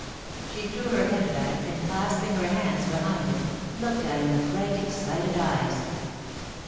She threw her head back, and clasping her hands behind it, looked at him with bright, excited eyes.